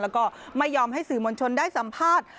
แล้วก็ไม่ยอมให้สื่อมวลชนได้สัมภาษณ์